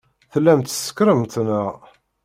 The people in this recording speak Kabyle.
Tellamt tsekṛemt, neɣ?